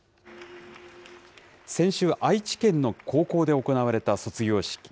先週、愛知県の高校で行われた卒業式。